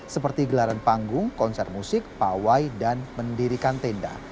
seperti gelaran panggung konser musik pawai dan mendirikan tenda